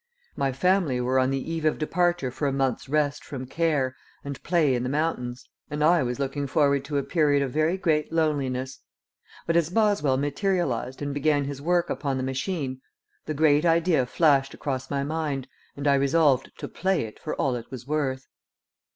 My family were on the eve of departure for a month's rest from care and play in the mountains, and I was looking forward to a period of very great loneliness. But as Boswell materialized and began his work upon the machine, the great idea flashed across my mind, and I resolved to "play it" for all it was worth.